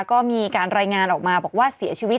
ก็มีการรายงานออกมาบอกว่าเสียชีวิต